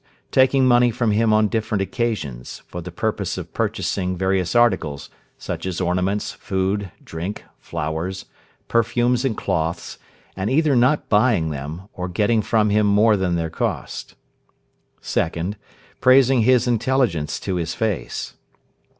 Taking money from him on different occasions, for the purpose of purchasing various articles, such as ornaments, food, drink, flowers, perfumes and cloths, and either not buying them, or getting from him more than their cost. 2nd. Praising his intelligence to his face.